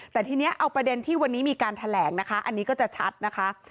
แต่ทีนี้เอาประเด็นที่วันนี้มีการแถลงนะคะอันนี้ก็จะชัดนะคะ